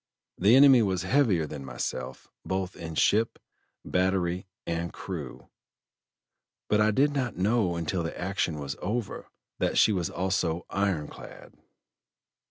The enemy was heavier than myself, both in ship, battery, and crew; but I did not know until the action was over that she was also iron clad."